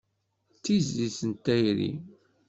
D tizlit n tayri.